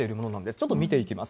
ちょっと見ていきます。